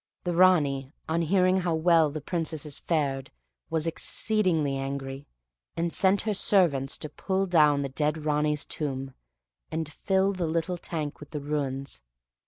The Ranee, on hearing how well the Princesses fared, was exceedingly angry, and sent her servants to pull down the dead Ranee's tomb, and fill the little tank with the ruins.